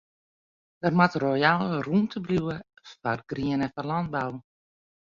Der moat royaal rûmte bliuwe foar grien en foar lânbou.